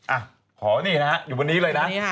อ่ะขอนี่นะฮะอยู่บนนี้เลยนะ